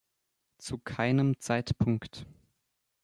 Zu keinem Zeitpunkt.